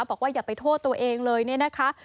บอกว่าอย่าไปโทษตัวเองเลยเนี่ยนะคะ